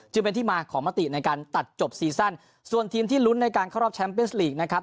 จึงเป็นที่มาของมติในการตัดจบซีซั่นส่วนทีมที่ลุ้นในการเข้ารอบแชมป์เป็นสลีกนะครับ